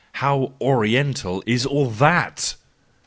How Oriental is all that!